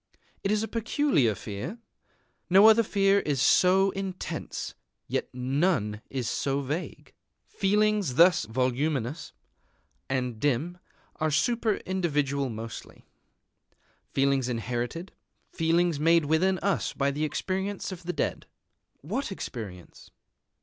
It is a peculiar fear. No other fear is so intense; yet none is so vague. Feelings thus voluminous and dim are super individual mostly, feelings inherited, feelings made within us by the experience of the dead. What experience?